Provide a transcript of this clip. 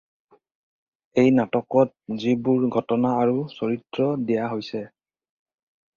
এই নাটকত যিবোৰ ঘটনা আৰু চৰিত্ৰ দিয়া হৈছে